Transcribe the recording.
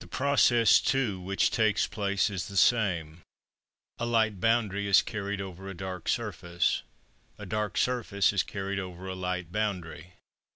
The process too which takes place is the same; a light boundary is carried over a dark surface, a dark surface is carried over a light boundary.